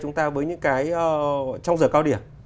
chúng ta với những cái trong giờ cao điểm